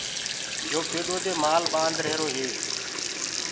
يو پيڏو دي مآل ڀند ريهرو هي۔